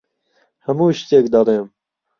هەموو شتێک دەڵێم.